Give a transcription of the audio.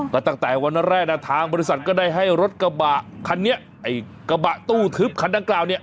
ก็ตั้งแต่วันแรกนะทางบริษัทก็ได้ให้รถกระบะคันนี้ไอ้กระบะตู้ทึบคันดังกล่าวเนี่ย